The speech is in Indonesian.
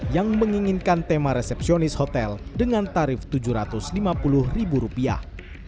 yang menginginkan tema resepsionis hotel dengan tarif tujuh ratus lima puluh ribu rupiah